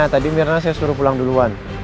tadi mirna saya suruh pulang duluan